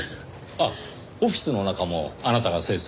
あっオフィスの中もあなたが清掃を？